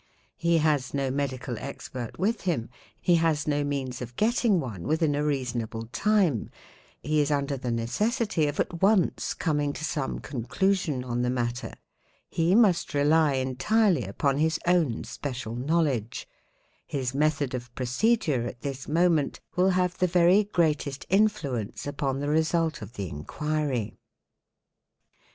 He has no medical expert with him—he has no means of getting one within a reasonable time—he is under the necessity of at once coming to some conclusion on the matter—he must rely entirely upon his own special knowledge; his method of procedure at this moment will have the very greatest influence upon the result of the inquiry.